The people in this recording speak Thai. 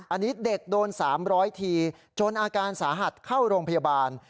อันนี้เด็กโดน๓๐๐ทีจนอาการสาหัสเข้าโรงพยาบาล